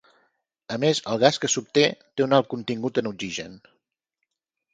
A més el gas que s'obté té un alt contingut en oxigen.